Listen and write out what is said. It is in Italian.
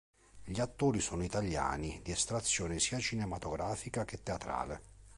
Gli attori sono italiani, di estrazione sia cinematografica che teatrale.